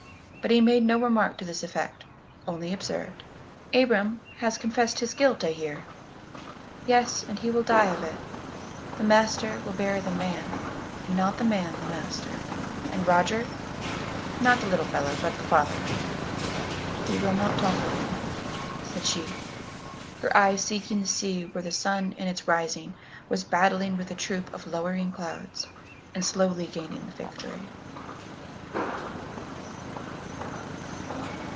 But he made no remark to this effect, only observed: "Abram has confessed his guilt, I hear." "Yes, and will die of it. The master will bury the man, and not the man the master." "And Roger? Not the little fellow, but the father?" "We will not talk of him," said she, her eyes seeking the sea where the sun in its rising was battling with a troop of lowering clouds and slowly gaining the victory.